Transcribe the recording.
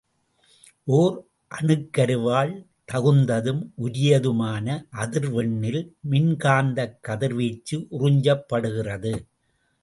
ஓர் அணுக்கருவால் தகுந்ததும் உரியதுமான அதிர் வெண்ணில் மின்காந்தக் கதிர்வீச்சு உறிஞ்சப்படுகிறது.